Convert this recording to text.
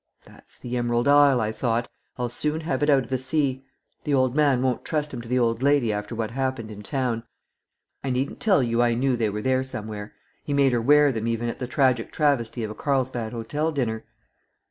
'That's the Emerald Isle,' I thought, 'I'll soon have it out of the sea. The old man won't trust 'em to the old lady after what happened in town,' I needn't tell you I knew they were there somewhere; he made her wear them even at the tragic travesty of a Carlsbad hotel dinner."